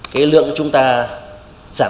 cái lượng chúng ta